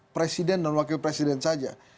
presiden dan wakil presiden saja